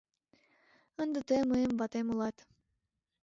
Ынде тый мыйын ватем улат.